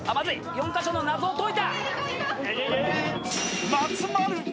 ４カ所の謎を解いた！